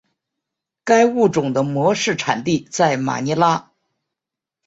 该物种的模式产地在马尼拉。